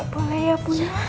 boleh ya bu ya